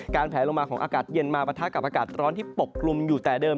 แผลลงมาของอากาศเย็นมาปะทะกับอากาศร้อนที่ปกกลุ่มอยู่แต่เดิม